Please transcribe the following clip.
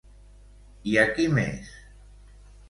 I a qui més?